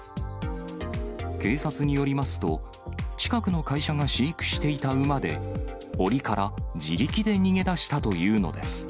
警察によりますと、近くの会社が飼育していた馬で、おりから自力で逃げ出したというのです。